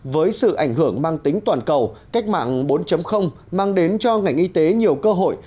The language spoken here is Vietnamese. với sự ảnh hưởng mang tính toàn cầu cách mạng bốn mang đến cho ngành y tế nhiều cơ hội